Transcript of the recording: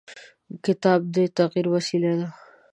کتاب د تغیر وسیله ده.